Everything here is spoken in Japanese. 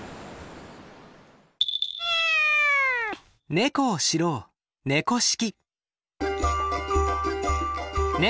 猫を知ろう「猫識」。